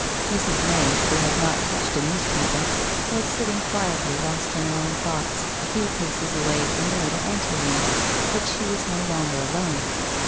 Mrs. May, who had not touched a newspaper, was sit ting quietly, lost in her own thoughts, a few paces away in the little anteroom, but she was no longer alone.